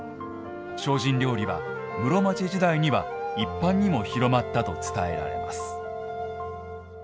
精進料理は室町時代には一般にも広まったと伝えられます。